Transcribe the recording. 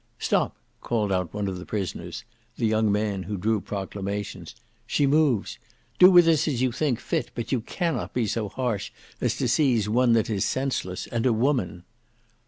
"Stop!" called out one of the prisoners, the young man who drew proclamations, "she moves. Do with us as you think fit, but you cannot be so harsh as to seize one that is senseless, and a woman!"